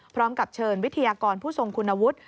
พร้อมกับเชิญวิทยากรผู้ทรงคุณวุฒิ